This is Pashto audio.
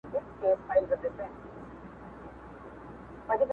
زموږ تګلاره همدا ده